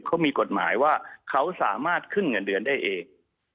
เขามีกฎหมายว่าเขาสามารถขึ้นเงินเดือนได้เอง